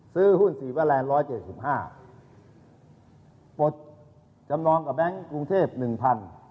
ซื้อหุ้นสีเบอร์แลนดร้อยเจ็ดสิบห้าปลดจำนองกับแบงค์กรุงเทพหนึ่งพัน